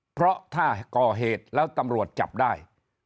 เพราะถ้าก่อเหตุแล้วตำรวจจับได้